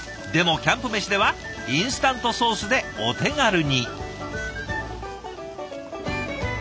でもキャンプメシではインスタントソースでお手軽に。